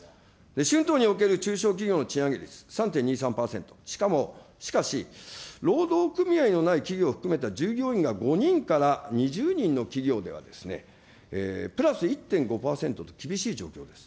春闘における中小企業の賃上げ率、３．２３％、しかも、しかし、労働組合のない企業を含めた、従業員が５人から２０人の企業では、＋１．５％と厳しい状況です。